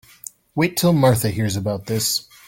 Wait till Martha hears about this.